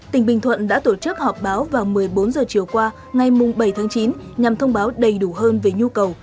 tỉnh bình thuận đã tổ chức họp báo vào một mươi bốn h chiều qua ngày bảy tháng chín nhằm thông báo đầy đủ hơn về nhu cầu